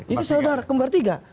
itu saudara kembar tiga